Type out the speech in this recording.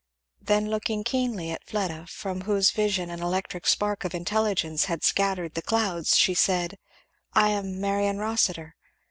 Then looking keenly at Fleda, from whose vision an electric spark of intelligence had scattered the clouds, she said; "I am Marion Rossitur."